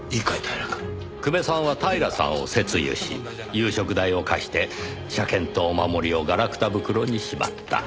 久米さんは平さんを説諭し夕食代を貸して車券とお守りをガラクタ袋にしまった。